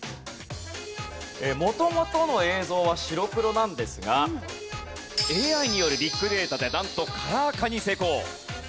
元々の映像は白黒なんですがＡＩによるビッグデータでなんとカラー化に成功。